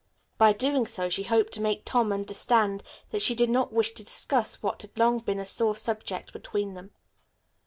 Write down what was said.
By doing so she hoped to make Tom understand that she did not wish to discuss what had long been a sore subject between them.